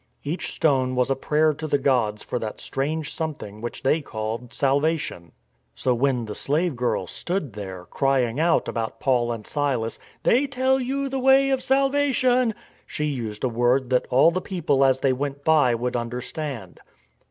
Each stone was a prayer to the gods for that strange something which they called " salvation." So when the slave girl stood there, crying out about Paul and Silas, They tell you the way of salvation," she used a word that all the people as they went by would understand.